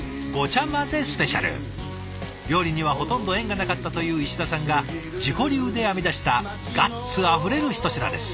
料理にはほとんど縁がなかったという石田さんが自己流で編み出したガッツあふれる一品です。